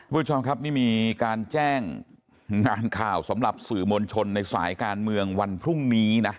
คุณผู้ชมครับนี่มีการแจ้งงานข่าวสำหรับสื่อมวลชนในสายการเมืองวันพรุ่งนี้นะ